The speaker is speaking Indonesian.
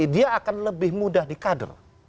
dia akan lebih mudah di kader